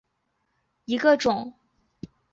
石生茶藨子为虎耳草科茶藨子属下的一个种。